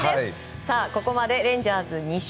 ここまでレンジャーズ２勝。